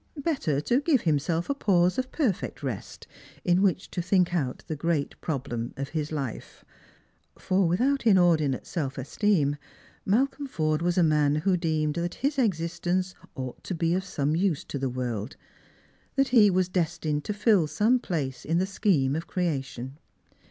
Better to give himself a pause of perfect rest, in which to think out the great problem of his life. For without inordinate eelf esteem, Malcolm Forde was a man who deemed that his existence ought to be of some use to the world, that he was destined to fill some place in the scheme of creation.